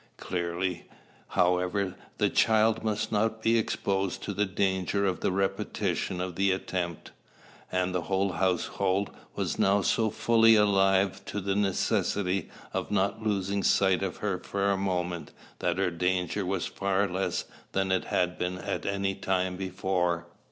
Clearly, however, the child must not be exposed to the danger of the repetition of the attempt; and the whole household was now so fully alive to the necessity of not losing sight of her for a moment, that her danger was far less than it had been at any time before.